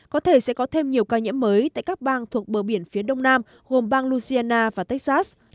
có thể sẽ có thêm nhiều ca nhiễm mới tại các bang thuộc bờ biển phía đông nam gồm bang louisiana và texas